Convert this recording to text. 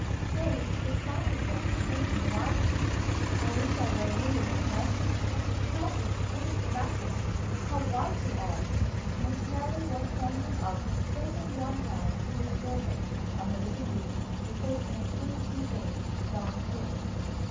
"Still, it is kind of them to think me like you; I wish I were really your nephew Padre, what is the matter? How white you are!" Montanelli was standing up, pressing one hand to his forehead. "I am a little giddy," he said in a curiously faint, dull tone.